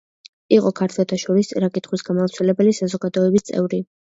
იყო ქართველთა შორის წერა-კითხვის გამავრცელებელი საზოგადოების წევრი.